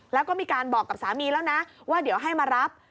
แล้วก็มีการบอกกับสามีแล้วนะว่าเดี๋ยวให้มารับ